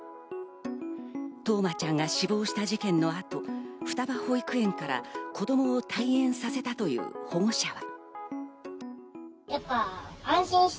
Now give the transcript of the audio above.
冬生ちゃんが死亡した事件の後、双葉保育園から子どもを退園させたという保護者は。